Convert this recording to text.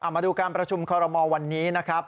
มาดูการประชุมคอรมอลวันนี้นะครับ